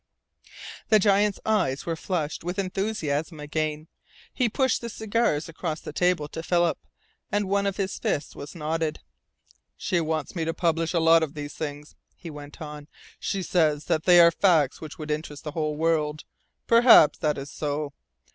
The giant's eyes were flushed with enthusiasm again. He pushed the cigars across the table to Philip, and one of his fists was knotted. "She wants me to publish a lot of these things," he went on. "She says they are facts which would interest the whole world. Perhaps that is so.